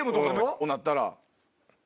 そうなったら。